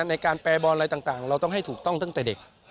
ในการแปรบอลอะไรต่างเราต้องให้ถูกต้องตั้งแต่เด็ก